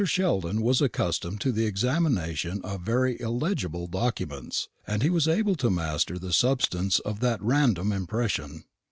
Sheldon was accustomed to the examination of very illegible documents, and he was able to master the substance of that random impression.